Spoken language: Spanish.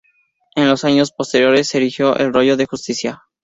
En los años posteriores se erigió el rollo de justicia.